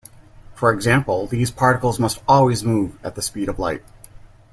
For example, these particles must always move at the speed of light.